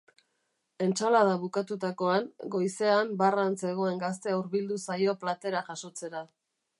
Entsalada bukatutakoan, goizean barran zegoen gaztea hurbildu zaio platera jasotzera.